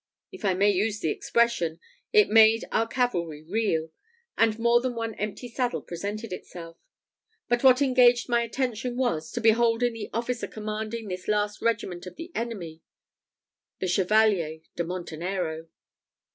If I may use the expression, it made our cavalry reel, and more than one empty saddle presented itself; but what engaged my attention was, to behold in the officer commanding this last regiment of the enemy, the Chevalier de Montenero.